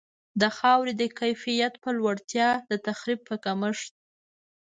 د خاورې د کیفیت په لوړتیا، د تخریب په کمښت.